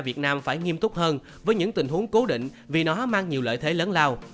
u hai mươi ba việt nam phải nghiêm túc hơn với những tình huống cố định vì nó mang nhiều lợi thế lớn lao